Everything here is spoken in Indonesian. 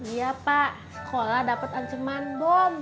iya pak sekolah dapat ancaman bom